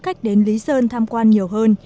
khách đến lý sơn tham quan nhiều hơn